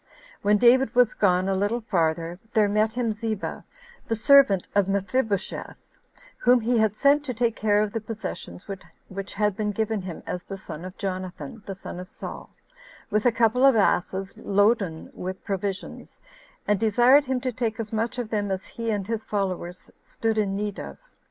3. When David was gone a little farther, there met him Ziba, the servant of Mephibosheth, [whom he had sent to take care of the possessions which had been given him, as the son of Jonathan, the son of Saul,] with a couple of asses, loaden with provisions, and desired him to take as much of them as he and his followers stood in need of.